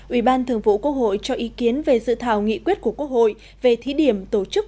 ủy ban thường vụ quốc hội cho ý kiến về dự thảo nghị quyết của quốc hội về thí điểm tổ chức